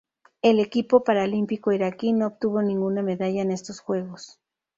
El equipo paralímpico iraquí no obtuvo ninguna medalla en estos Juegos.